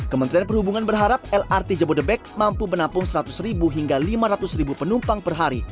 kementerian perhubungan berharap lrt jabodebek mampu menampung seratus ribu hingga lima ratus penumpang per hari